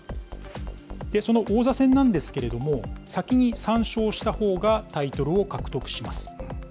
その王座戦なんですけれども、先に３勝したほうがタイトルを獲得します。